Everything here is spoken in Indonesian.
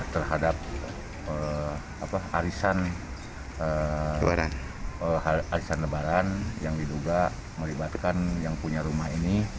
terhadap arisan arisan lebaran yang diduga melibatkan yang punya rumah ini